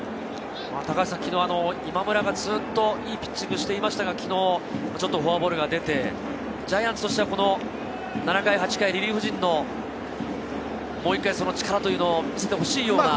昨日、今村がずっといいピッチングをしていましたが、昨日フォアボールが出て、ジャイアンツとしては７回、８回リリーフ陣のもう一回、その力というのを見せてほしいような。